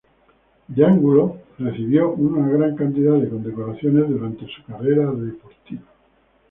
De Angulo recibió una gran cantidad de condecoraciones durante su carrera deportiva.